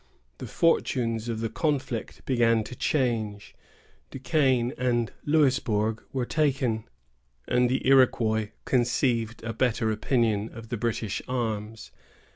The fortunes of the conflict began to change. Du Quesne and Louisburg were taken, and the Iroquois conceived a better opinion of the British arms.